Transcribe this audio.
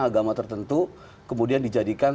agama tertentu kemudian dijadikan